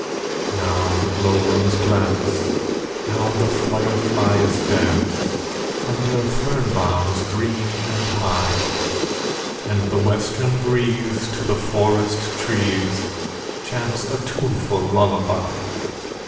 Now the glowworms glance, Now the fireflies dance, Under fern boughs green and high; And the western breeze To the forest trees Chants a tuneful lullaby.